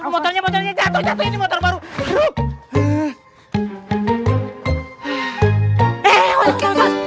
motornya motornya jatuh jatuh ini motor baru